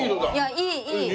いいいい。